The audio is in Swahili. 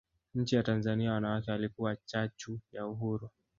nchi ya Tanzania wanawake walikuwa chachu ya uhuru